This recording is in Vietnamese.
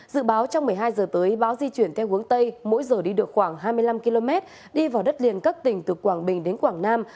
dự báo trong một mươi hai h tới bão di chuyển theo hướng tây mỗi giờ đi được khoảng hai mươi năm km đi vào đất liền các tỉnh từ quảng bình đến quảng nam